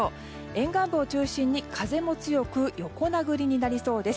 沿岸部を中心に風も強く横殴りになりそうです。